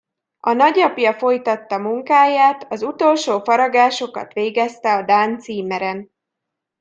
A nagyapja folytatta munkáját, az utolsó faragásokat végezte a dán címeren.